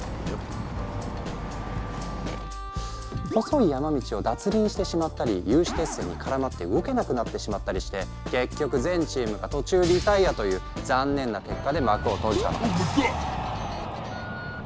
細い山道を脱輪してしまったり有刺鉄線に絡まって動けなくなってしまったりして結局全チームが途中リタイアという残念な結果で幕を閉じたの。